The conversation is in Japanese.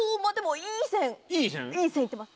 いい線行ってます。